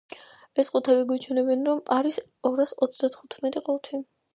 ეს ყუთები გვიჩვენებენ, რომ სულ არის ორას ოცდათხუთმეტი ყუთი.